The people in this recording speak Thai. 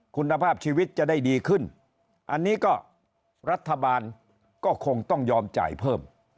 คุณภาพชีวิตจะได้ดีขึ้นอันนี้ก็รัฐบาลก็คงต้องยอมจ่ายเพิ่ม